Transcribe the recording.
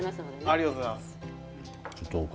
ありがとうございます女将